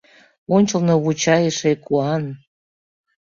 Ончылно вуча эше куан.